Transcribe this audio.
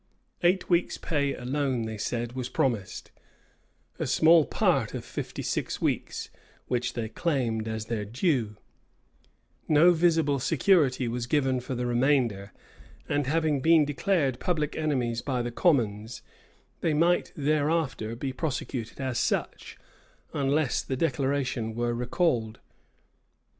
Eight weeks' pay alone, they said, was promised; a small part of fifty six weeks, which they claimed as their due: no visible security was given for the remainder: and having been declared public enemies by the commons, they might hereafter be prosecuted as such, unless the declaration were recalled.